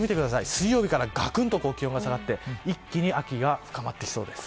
水曜日からがくんと気温が下がって一気に秋が深まってきそうです。